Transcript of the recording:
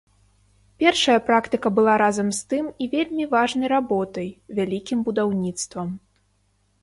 Першая практыка была разам з тым і вельмі важнай работай, вялікім будаўніцтвам.